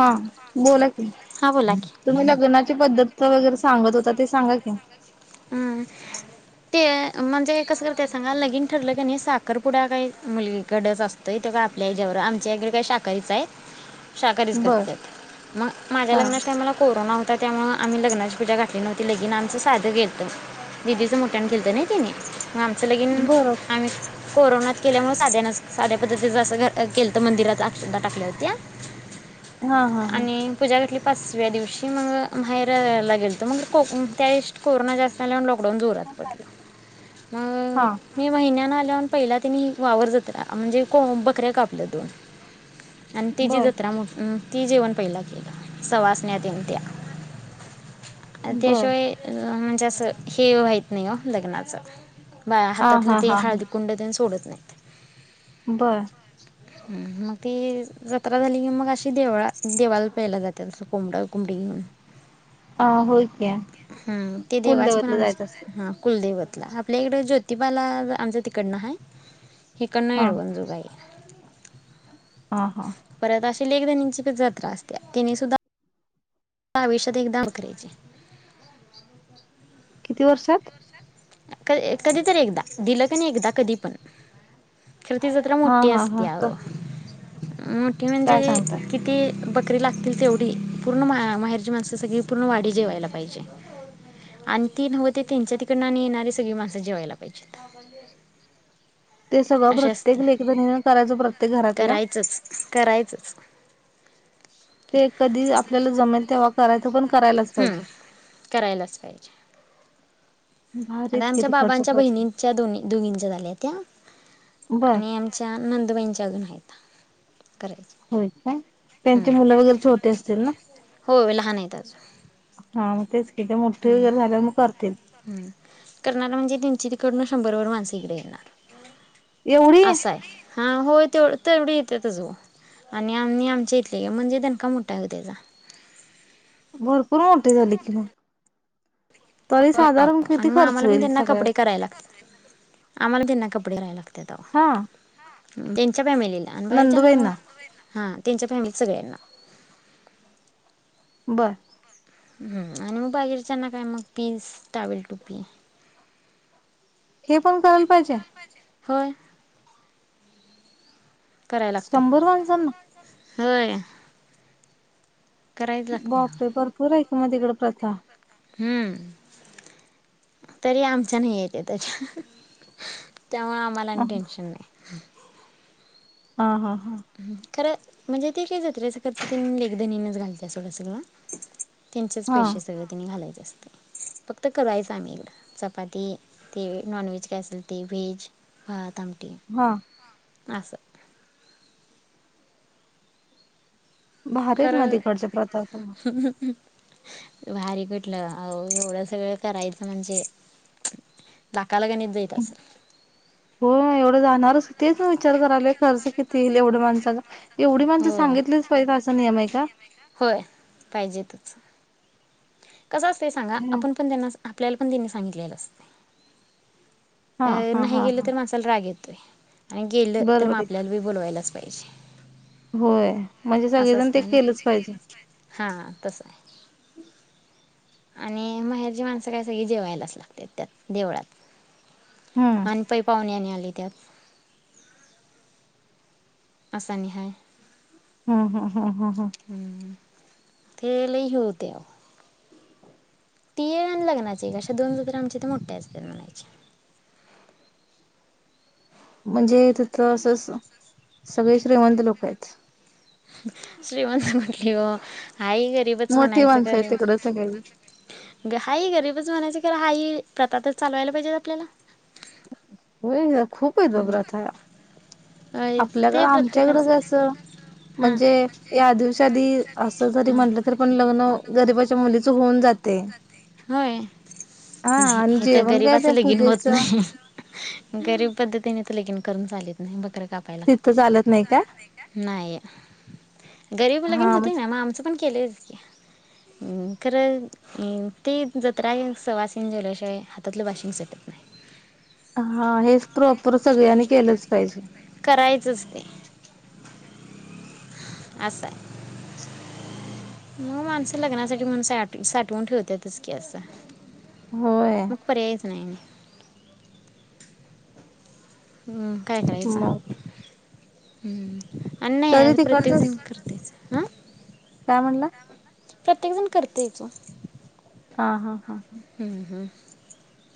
हा बोला कि, हां बोला की तुम्ही लग्नाची पध्दत वगैरे सांगत होतात. ते सांगा की? हम्म ते म्हणजे कसं करतेय सांगा, लगिन ठरलं की नाही साखर पुढा काही मुलगी कडच असतोय ते का आपल्या याच्यावर आमच्या इकडं काही शाकाहारीच हाय. शाकाहारीच बर करत्यात, मग माझ्या हा लग्नाच्या टायमाला कोरोना होता. तर त्यामुळे आम्ही लगनाची पुजा घातली नव्हती, लगीन आमचं साधं केलं. दिदीचं मोठ्यानं केलतं नाय तेनी. मग आमचं लगीन बर आम्हीच कोरोनात केल्यामुळे साध्या साध्या पद्धतीचं असं केलं तर मंदिरात अक्षदा टाकल्या होत हा हा हा आणि पूजा घातली पाचव्या दिवशी मग माहेर लागेल तर मग कोक त्या दि कोरोना जास्त [unintelligible] लॉकडाऊन जोरात पडल मग हा मी महिन्या आ पहिला तेनी वावर जत्रा म्हणजे बकऱ्या कापल्या दोन आणि तचीी बर जत्रा म ती जेवण पहिलं केलं सवासण्यात तेन त त्या बर शिवाय जास्त हे माहत नाही हो लग्नाचं बा हा हा हातातलं ते हा हळदी कुंड सोडत बरं मग ती जत्रा झाली की मग अशी देवाळा देवाला द्या यला जाते तस कोंबड कोंबडी घेऊन अ होके कुलदव हा दैवतला आपल्या इकडे जोतिबाला आमच्या तिकडन आहे हे कर हा एळवण जोगाई हा हा परत अशी लेक धणीची जत्रा असते तिने सुद्धा मला आयुष्यात एकदा वा करायचे किती वर्षात क कधी तररी एकदा दिलं क नाही एकदा कधी पण खरं ती जत्र हा मोठी हा हा असते अ मोठी म्हणजे काय सांगता किती री लागतील तेवढी पूर्ण माहेरची माणसं सगळी पूर्ण वाडी जेवायला पाहिजे आणि ती नव ते त्यांच्या तिकड सगळी माणसं जेवायला पाहिजेत ते सगळं प्रत्येक लेकीन करायचं प्रत्येक घरातल्या करायचच करायचंच ते कधी आपल्याला जमेल तेव्हा करायचं पण करायलाच हम् पाहिजे करायलाच पाहिजे भारीत आता कि आमच्या तिकडचं बाबांच्या प्रथा. बहिणींच्या दोघींच्या झाल्या त्या बर आणि आमच्या नंदुबाईंच्या अजून आहेत करायचे. होय का त्यांचे हम्म. मुलं वगैरे छोटे असतील ना हो लहान आहेत अजून हा म तेच तिथ मोठे वगैरे झाल्या म करतील करणार म्हणजे त्यांची तिकन शंभरभर माणस हिकडं येणार एवढी असंय हां होय तेव तेवढी येते तज आणि आम्ही आमच्या इटली का म्हणजे त्यांनका मोठा आहे ग त्याचा भरपूर मोठ झाली की म हो आणि मग आम्हाला पण त्यांना सगळ्याच कपडे कराय लाग आम्हाला त्यांना कपडे करायला लागते हा [inaudible] त्याच्या फॅमिलीला आणि बाहेरच्या ना मग नंदुबाईंना हा त्यांच्या फॅमिलीत सगळ्यांना बरं हम्म आणि मग बाहेरच्याना काय मग पीस टावेल टोपी हे पण करायल पाहिजे होय करायला लागते शंभर माणसानं होय करायच लागते बापरे! भरपूर आहेत किंवा तिकड प्रथा हम्म तरी आमच्या नाही येते त्याच्या तेेव्हा आम्हाला हा आणि टेन्शन नाही [inaudible] ह हा खरं म्हणजे ते काय जत्रेचा खर्च त लेखधनीनच घालते सगडं सगला त्यांचेच हा पैशसे सगळे त्यांनी घालायचे असतते फक्त करायचं आम्हील चपाती ते नॉन व्हेज काय असेल ते व्हेज भात आम हा आसं भारीच म तिकडच्या प्रथास भारीकटलं अ एवढं सगळं करायचं म्हणजे बा हो एवढं जाणारच तेच ना विचार कराल खर्च किती येईल एवढं माणसाचा एवढी माणसं होय. सांगितलीच पाहिे असा नियम आहे का होय पाहिजेतच. कसं असते सांगा आपण पण त्यांना आपल्याला पण त्यांनी सांगितलेलं असते हा अ हा नाही हा गेलं हा तर मसाला राग येत ते आणि गेलं तर बरोबर मग, आहे आपल्यात बी बोलवायलाचं पैसे होय म्हणजे, सगळेजण ते असतंय ना केलंच पाहिजे. हां तसं आहे आणि माहेरची माणसं काय सगळी जेवायलाच लागत्यात त्यात देवळात. हम्म आणि पै पाहुणे आणि आली. येत्यात. आस आणि हाय. ह हम. हा हा हा. ते लय हे होतय आवं. ती एक आणि लग्नाची एक अशा दोन ग्रामच्या तर मोठ्या असत्यातं म्हणायच्या. म्हणजे तिथं अस स सगळे श्रीमंत लोक आहेत? श्रीमंत म [unintelligible] हाई गरीबच मोठी म्हणायचं माणसं खर, आहेत तिकडं सगळी हाय गरीबच म्हणायचं खर हाई प्रथा तर चालवायला पाहिजेत आपल्याला. होय गं. खूपाय गभरा आता - - अ आपल्याकड ते आमच्याकडं प्रत्येकाचं कस हां म्हणजे आदिवरशादी असं जरी म्हटलं तरी पण लग्न गरीबाच्या मुलीच होऊन जातयं. होय. नाही हित जेवण काय गरीबाच ते लगीन पूजेच होत नाही. गरीब पद्धतीने - - लगीन करून चालत नाही. बकर - - कापाय लागतय. तिथं चालत नाही काय गरीब लगिन हा मग होतेय ना. म आमच पण केलयचं कि अ खरं अ - - ती जत्रा हि सवसणी जेवल्याशिवाय हातातलं बाशिंग सुटत नाही. हा. हेच प्रॉपर सगळ्यांनी केलंच पाहिजे. करायचच ते असाय. म माणसं लग्नासाठी म्हणुन साठ साठवून ठेवत्यातच की अस. होय. नाही नाही. हम. काय करायचं? मग हम. अन्याय तरी आहे, प्रत्येक तिकडचंच जण करतयचं. अह. काय म्हणला? प्रत्येक जण करतय की हा हा हा हा.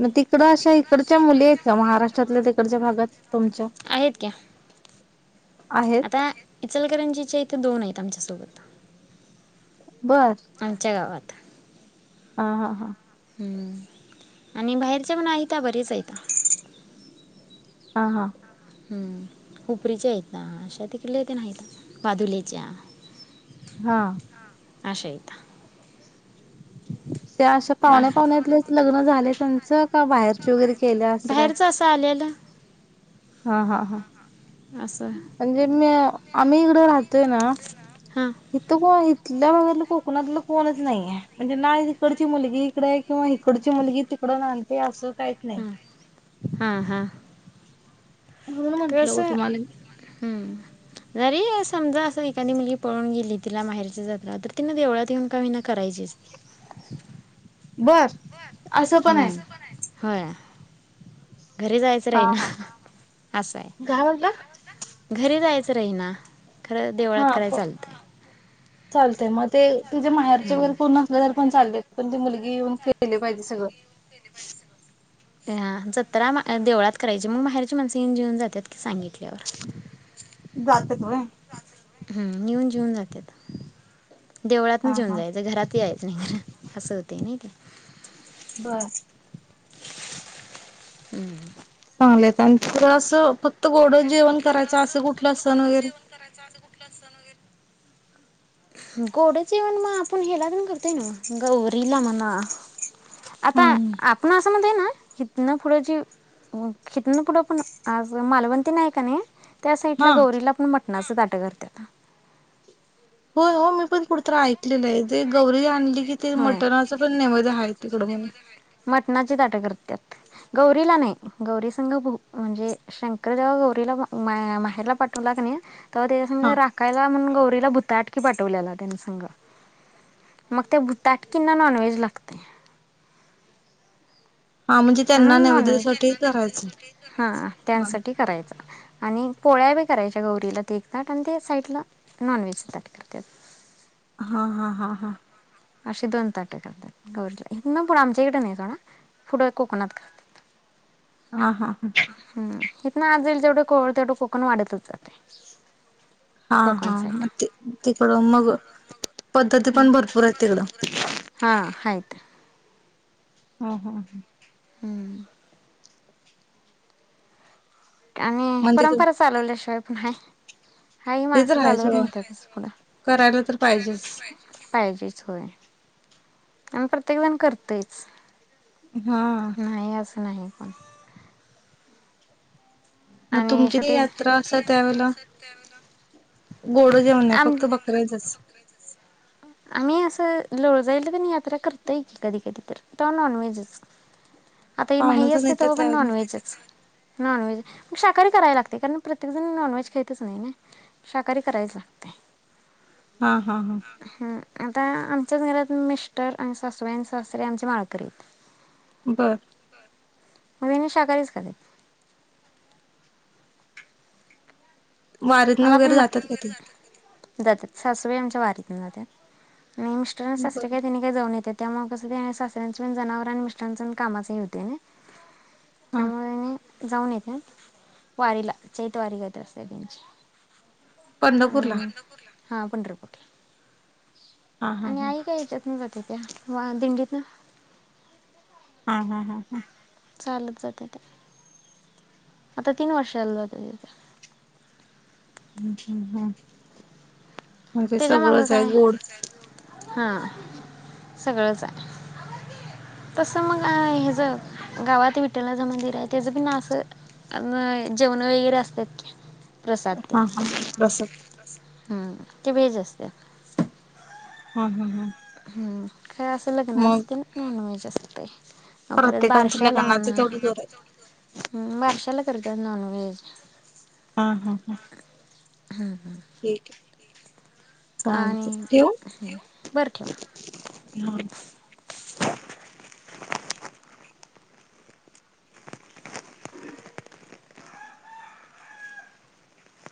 म ती तिकड अशा इकडच्या मुली आहेत का महाराष्ट्रातल्या त तीकडच्या भागात तुमच्या? आहेत क्या आहेत. इचलकरंजी च्या हित दोन आहेत आमच्यासोबत. बर आमच्या गावात. हा हा हां. आणि बाहेरचे पण आहेत बरेच आहेत. हा हा. हा खूपरीच्या आहेत्या आशा तिकडल्या लय आहेत बादुलेच्या हा. आशा आहेत. त्या अशा वा पाहुण्या पाहुण्यातलेच लग्न झाले च का बाहेरचे वगैरे केल्या केलं? असं काय? बाहेरचं असं आलेलं हा हा हा. असं म्हणजे मी आम्ही इकड राहतोय ना हां इथं कुठल्या भागातलं कोकणातलं कोणच नाहीये म्हणजे नाही ती कडची मुलगी इकडे आहे, किंवा इकडची मुलगी तिकडं नाते असं काहीच नाही हम हा हा. म्हून म्हंटलं हो तुम्हाला मी, हम्म जरे समजा असं एखादी मुली पळून गेली, तिला बाहेरच्या जत्रा तर तिन देवळात येऊन होईना करायचीच. बर! असं पण आहे हम्. होय. घरी जायचं हा नाहीना, हा असंय काय म्हटलं घरी जायचं रहिणा खरं देवळात कराय हा चालतंय. चालतय म ते तुझ्या माहेरच्या वगैर कोण नसले तर चालतय पण ते मुलगी येऊन केले पाहिजे सगळं. तर देवळात करायची मग माहेरची माणस येउन जीऊन जात्यात की सांगि जात्यात होय? हम्म येऊन जेऊन जात्यात! हा देवळातनं जेवून हा. जायचं, घरात यायच नाही असं होत. ते नाही ते बरं. हम्म. [unintelligible] आलयं ताण पुर असं फक्त गोड चाले जेवण आणि कुठला करायचं असं कुठलं फक्त सण गोडं वगैरे जेवण करायचं असा कुठला सण वगैरे गोडं जेवण मग आपुण हेला तेन करतोय नव्ह, गौरीला म्हणा आता हम्म आपण असं म्हणतोय ना, हितन पुढं जी हितन पुढं पण, आज मालवण ते नाही कनइ त्या हा साईटला गौरीला पण. मट मटणाचे ताट करत्यात. होय ओ मी पण कुठ तरी ऐकलेलं आहे. जे गौरी आण कि ते होय मटनाच पण नैवेद्य आहेत. तिकड पण. मटणाची ताट करत्यात गौरीला नाही. गौरी संघ म्हणजे शंकरदेव गौरीला माहेरला पाठवला कनी. तवा तेच्या संग हा राखायला म्हनून गौ रीला त्यानं भुताटकी पाठवलेलं त्यानं संग. मग त्या भुताटकिना नॉनव्हेज लागतंय. हा म्हणजे त्यांना म्हणून नॉनव्हेज. नैवेद्यासाठी करायचं. हा हा त्यांसाठी करायच. आणि पोळ्या बी करायच्या गौरीला ते एक-ताट आणि ते साईडला नॉन व्हेज ताट करतात. हा, हा, हा, हा. असे दोन ताटे करतात. गौरीला हीतंन पुढ आमच्या इकडे नाही पुढं कोकनात करतात. हा. हा. हा हम. आत जाईल तेवढं खोल तेवढं कोकण वाढतच जाते. हा. हा. म तिकडं मग. पद्धती पण भरपूर पध्दती आहेत पण तिकडं. भरपुर हायत त्या. हा हायत. हा हा. हम. आणि म्हणजे तू परंपरा चालवल्या शिवाय नाही. हाय ही ते तर माणसं आहे चालवत सोडा नेहत्यात पुढं करायला ते तर तर हायचं सोडं, करायला पाहिजेच तर पाहिजेच पाहिजे. होय, आणि प्रत्येक जण करतयचं. हा. नाही होतं. मग तुमची ती शेवटी यात्रा असत्या त्यावेळेला गोड जेवण नाही, आम फक्त बकय्राचचं.. आम्ही असं लोळजाईला तेन यात्रा करतोय, की कधी कधी तर तेव्हा नॉनव्हेजचं. आता ही पाहुण माही तर असते, येतात तेव्हा पण त्यावेळेला नॉनव्हेजचं. नॉनव्हेज मग शाकाहारी करायला लागतंय, कारण प्रत्येकजण नॉनव्हेज खाईतचं नाही ना शाकाहारी करायच लागतंयं. हा हा हा. आता आमच्याच घरात मिस्टर आणि सासूबाई आणि सासरे आमचे माळकरी हाईत. बरं. मग हेनी शाकाहारीच खात्यांत. वारीतन मला पण वगैरे जातात का तेनी. मट जातात. सासूबाई आमच्या वारीतून जातात. आणि मिस्टर आणि. बर सासरे काय तेनी काय जाऊन येत्यात. त्या मग सासऱ्यांच पण जनावर आणि. मिस्टरांच पण कामाच हे होते. हा. जाऊन येते. वारीला चैत वारी करत असते त्यांची. पंढरपूर ला. आणि हां पंढरपूरला. हा हा आणि हा आई काय याच्यातन जात्याता दिंडीत. ह. हा. हा. हा. हा. चालत जात्यात आता तीन वर्ष झाल जात्यात. हम्म. हम्म. हम्म. म्हणजे त्याच्या मागं सगळंच आहे काय गोड हां सगळंच आहे. तस मग अ हेज गावात विठ्ठला च मंदिर आहे त्याच बी जेवण वगैरे असतात की. प्रसाद ते हा. हा. प्रसाद. हम्म, ते वेज असतंय. हम्म हम्म हम्म. हम्म. काय असं लग्नाचा तेन नॉनवेज असतंय, आ परत प्रत्येकांच बारशाला लग्नाच म्हणा तेवढं जोर आहे हम्म बारशाला करत त्यात नॉनवेज हा हा हा. हम्म हम्म. ठीकये. आणि बरं ठेवा हा